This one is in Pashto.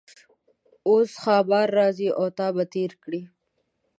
اوس ښامار راځي او تا به تیر کړي.